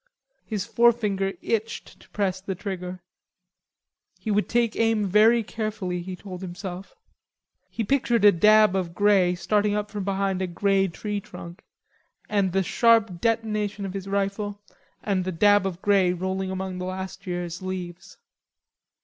His forefinger itched to press the trigger. He would take aim very carefully, he told himself; he pictured a dab of grey starting up from behind a grey tree trunk, and the sharp detonation of his rifle, and the dab of grey rolling among the last year's leaves.